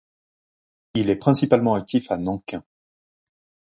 Il est principalement actif à Nankin.